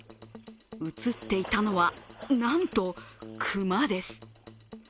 映っていたのは、なんと熊です。